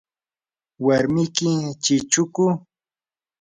¿warmiki chichuku?